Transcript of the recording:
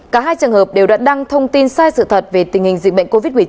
cả hai trường hợp đều đã đăng thông tin sai sự thật về tình hình dịch bệnh covid một mươi chín